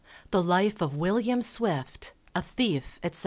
The Life of WILLIAM SWIFT, a Thief, etc.